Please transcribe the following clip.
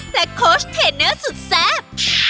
และโค้ชเทนเนอร์สุดแซ่บ